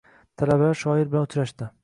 Talabalar shoir bilan uchrashdi